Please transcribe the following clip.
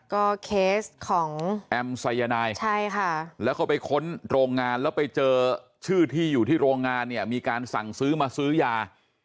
ก็เคสของแอมสายนายใช่ค่ะแล้วเขาไปค้นโรงงานแล้วไปเจอชื่อที่อยู่ที่โรงงานเนี่ยมีการสั่งซื้อมาซื้อยา